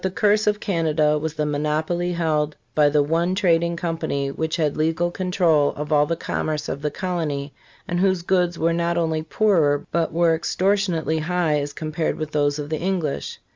But thi curse of Canada was the monopoly held by the one trading com pany which had legal control of all the commerce of the colony, and whose goods were not only poorer but were extortionately high as compared with those of the English.